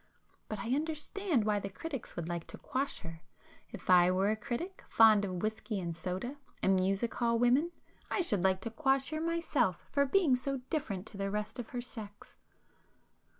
But I understand why the critics would like to 'quash' her,—if I were a critic, fond of whiskey and soda, [p 326] and music hall women, I should like to quash her myself for being so different to the rest of her sex!"